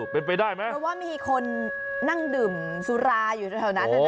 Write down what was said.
เพราะว่ามีคนนั่งดื่มสุราอยู่แถวนั้น